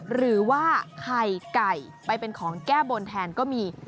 หรือว่าไข่ไก่ไปเป็นของแก้บนแทนก็มี